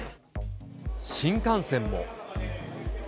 新幹線も。